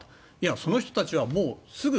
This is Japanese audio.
その人たちはもう、すぐ。